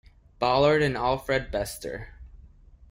Ballard and Alfred Bester.